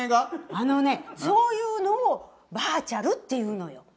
あのねそういうのをバーチャルっていうのよ。